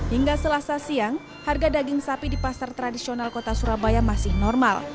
hingga selasa siang harga daging sapi di pasar tradisional kota surabaya masih normal